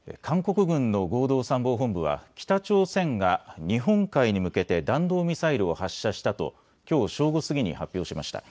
韓国軍の合同参謀本部は北朝鮮が日本海に向けて弾道ミサイルを発射したときょう正午過ぎに発表しました。